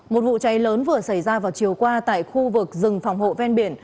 một vụ cháy lớn vừa xảy ra vào chiều qua tại khu vực rừng phòng hộ ven biển